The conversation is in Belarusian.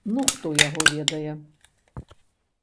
Ну, хто яго ведае.